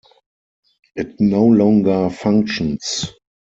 It no longer functions.